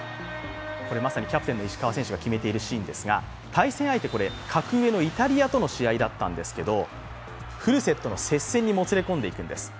まさに石川選手が決めているシーンですが、対戦相手、格上のイタリアとの試合だったんですけどフルセットの接戦に、もつれ込んでいくんです。